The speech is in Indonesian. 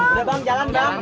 udah bang jalan jalan